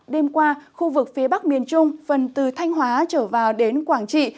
đêm qua khu vực phía bắc miền trung phần từ thanh hóa trở vào đến quảng trị